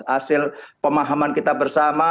hasil pemahaman kita bersama